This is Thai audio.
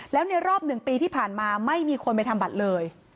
แล้วในรอบ๑ปีที่ผ่านมาไม่มีคนไปทำบัตรเลย